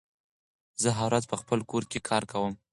زه هره ورځ په خپل کور کې کار کوم.